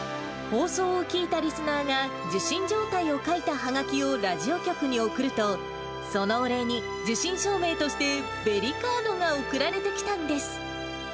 放送を聴いたリスナーが、受信状態を書いたはがきをラジオ局に送ると、そのお礼に、受信証明として、ベリカードが送られてきたんです。